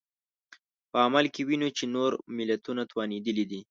په عمل کې وینو چې نور ملتونه توانېدلي دي.